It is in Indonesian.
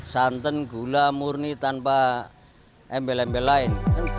santan gula murni tanpa embel embel lain